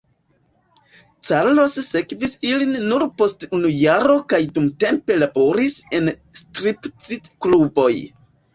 Carlos sekvis ilin nur post unu jaro kaj dumtempe laboris en striptiz-kluboj.